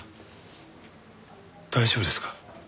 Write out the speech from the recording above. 大丈夫ですか？